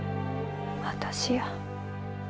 私や。